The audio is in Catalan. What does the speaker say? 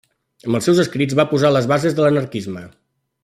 Amb els seus escrits va posar les bases de l'anarquisme.